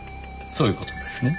そういう事ですね。